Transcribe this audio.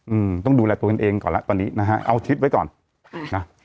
อืมต้องดูแลตัวกันเองก่อนล่ะตอนนี้นะฮะเอาทิศไว้ก่อนอ่า